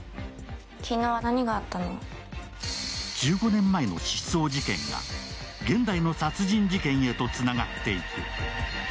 １５年前の失踪事件が現代の殺人事件へとつながっていく。